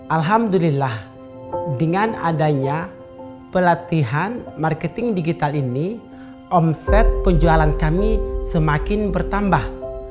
alhamdulillah dengan adanya pelatihan marketing digital ini omset penjualan kami semakin bertambah